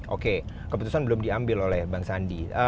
oke keputusan belum diambil oleh bang sandi